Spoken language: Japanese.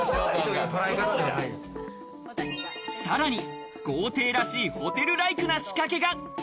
さらに豪邸らしいホテルライクな仕掛けが。